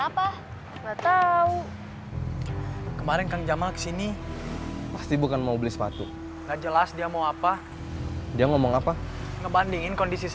apa enggak tahu kemarin kang jamal kesini pasti bukan mau beli sepatu nggak jelas dia mau apa dia mau ngapain